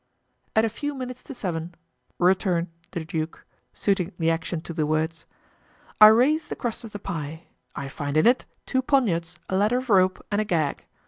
"At a few minutes to seven," returned the duke (suiting the action to the words), "I raise the crust of the pie; I find in it two poniards, a ladder of rope, and a gag.